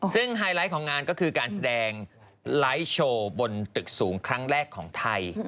ซึ่งไฮไลท์ของงานก็คือการแสดงไลฟ์โชว์บนตึกสูงครั้งแรกของไทย